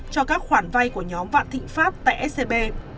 cho các khoản vay của nhóm vạn thịnh pháp tại scb